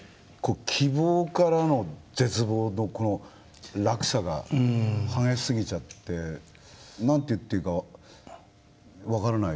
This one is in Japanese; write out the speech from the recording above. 希望からの絶望のこの落差が激しすぎちゃって何て言っていいか分からない。